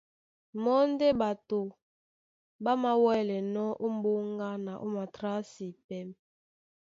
Mɔ́ ndé ɓato ɓá māwɛ́lɛnɔ́ ó m̀ɓóŋga na ó matrǎsi. Pɛ́.